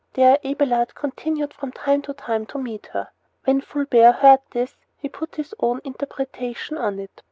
There Abelard continued from time to time to meet her. When Fulbert heard of this he put his own interpretation on it.